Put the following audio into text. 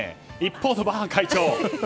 一方、バッハ会長。